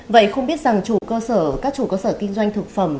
vậy không biết rằng các chủ cơ sở kinh doanh thực phẩm